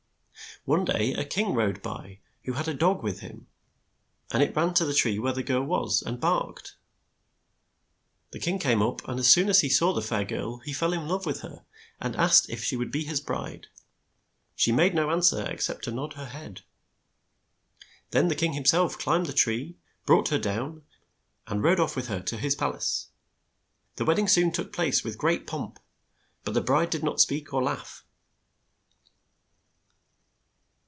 One day a king rode by who had a dog with him, and it ran to the tree where the girl was and barked. The king came up, and as soon as he saw the fair girl he fell in love with her, and asked her if she would be his bride. She made no an swer ex cept to nod her head. Then the king him self climbed the tree, brought her down, and rode off with her to his pal ace. The wed ding soon took place with great pomp, but the bride did not speak or laugh.